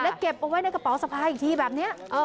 แล้วเก็บเอาไว้ในกระเป๋าสะพายอีกทีแบบนี้